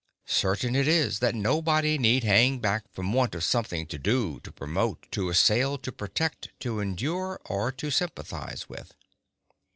Certain it is that nobody need hang back from want of something to do, to promote, to assail, to protect, to endure, or to sympathize with.